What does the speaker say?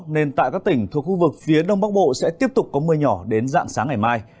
nên tại các tỉnh thuộc khu vực phía đông bắc bộ sẽ tiếp tục có mưa nhỏ đến dạng sáng ngày mai